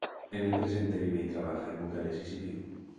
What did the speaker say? En el presente vive y trabaja en Bucarest y Sibiu.